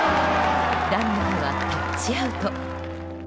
ランナーはタッチアウト。